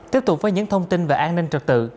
tiếp tục với những thông tin về an ninh trật tự